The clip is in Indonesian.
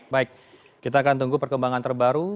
baik kita akan tunggu perkembangan terbaru